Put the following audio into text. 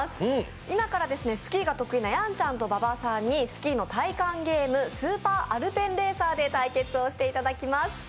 今からスキーが得意なやんちゃんと馬場さんにスキーの体感ゲームスーパーアルペンレーサーで対決をしていただきます。